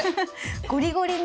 ゴリゴリに。